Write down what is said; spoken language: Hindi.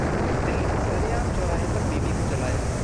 दिल्लीः सरेआम चौराहे पर बीवी को जलाया